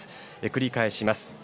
繰り返します。